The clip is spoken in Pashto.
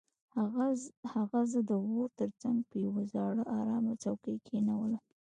هغه زه د اور تر څنګ په یو زاړه ارامه څوکۍ کښینولم